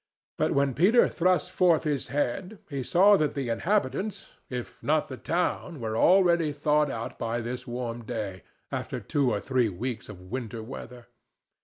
But when Peter thrust forth his head, he saw that the inhabitants, if not the town, were already thawed out by this warm day, after two or three weeks of winter weather.